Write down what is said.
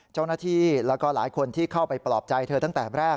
เจ้าหน้าที่แล้วก็หลายคนที่เข้าไปปลอบใจเธอตั้งแต่แรก